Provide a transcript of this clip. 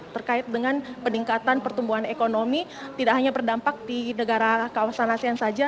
terkait dengan peningkatan pertumbuhan ekonomi tidak hanya berdampak di negara kawasan asean saja